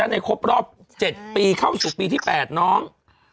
ในครบรอบ๗ปีเข้าสู่ปีที่๘น้อง